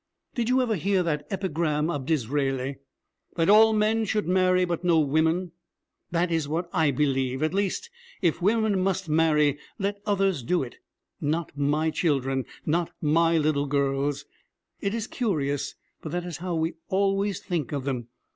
'Did you ever hear that epigram of Disraeli that all men should marry, but no women? That is what I believe! At least, if women must marry, let others do it, not my children, not my little girls! It is curious, but that is how we always think of them.